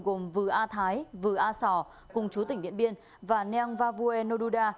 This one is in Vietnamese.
gồm vừa a thái vừa a sò cùng chú tỉnh điện biên và neong vavue noduda